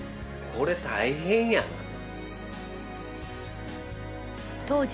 これ大変やなと。